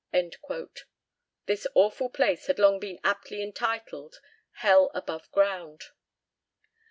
This awful place had long been aptly entitled "Hell above ground."